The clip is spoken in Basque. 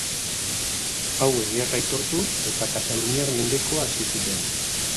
Hauek gerra aitortu eta kataluniar mendekua hasi zuten.